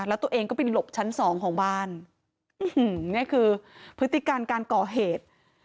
แล้วตัวเองก็ไปหลบชั้นสองของบ้านนี่คือพฤติการการก่อเหตุ